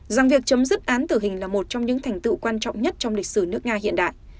rằng việc chấm dứt án tử hình là một trong những thành tựu quan trọng nhất trong lịch sử nước nga hiện đại